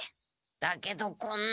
だけどこんな。